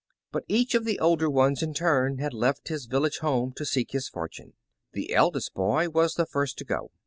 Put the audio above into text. But each of the older ones, in turn, had left his vil lage home to seek his fortune. The eldest boy was the first to go.